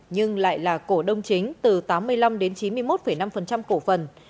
nhưng lại là cổ đông chính từ tám mươi năm đến chín mươi một năm cổ phần